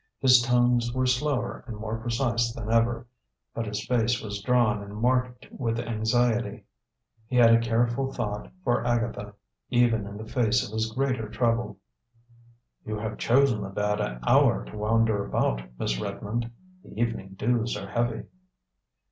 His tones were slower and more precise than ever, but his face was drawn and marked with anxiety. He had a careful thought for Agatha, even in the face of his greater trouble. "You have chosen a bad hour to wander about, Miss Redmond. The evening dews are heavy."